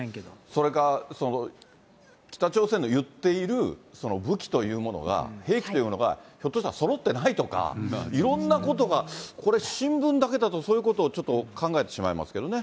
それか、北朝鮮の言っている武器というものが、兵器というものが、ひょっとしたらそろってないとか、いろんなことが、これ、新聞だけだと、そういうことをちょっと考えてしまいますけどね。